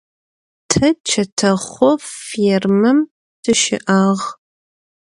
Тэ чэтэхъо фермэм тыщыӏагъ.